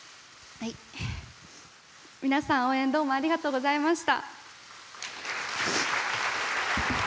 皆さん応援どうもありがとうございました。